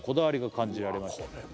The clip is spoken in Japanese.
「感じられました